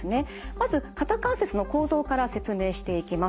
まず肩関節の構造から説明していきます。